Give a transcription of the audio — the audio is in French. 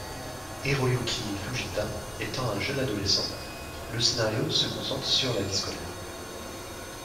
Hiroyuki Fujita étant un jeune adolescent, le scénario se concentre sur la vie scolaire.